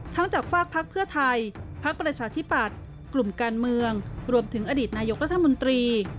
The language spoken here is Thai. จากฝากพักเพื่อไทยพักประชาธิปัตย์กลุ่มการเมืองรวมถึงอดีตนายกรัฐมนตรี